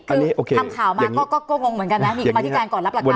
คือทำข่าวมาก็งงเหมือนกันนะมีกรรมธิการก่อนรับหลักการ